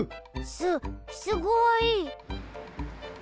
すっすごい。